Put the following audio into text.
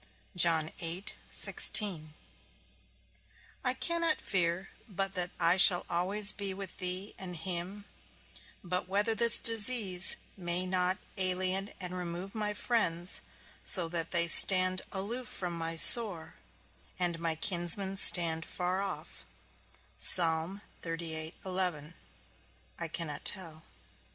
I cannot fear but that I shall always be with thee and him; but whether this disease may not alien and remove my friends, so that they stand aloof from my sore, and my kinsmen stand afar off, I cannot tell.